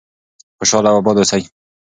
خوشحاله او آباد اوسئ.